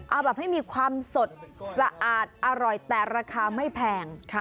เอาแบบให้มีความสดสะอาดอร่อยแต่ราคาไม่แพง